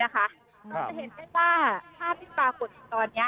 เราจะเห็นได้ว่าภาพที่ปรากฏอยู่ตอนนี้